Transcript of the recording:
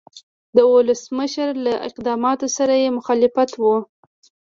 د ولسمشر له اقداماتو سره یې مخالفت و.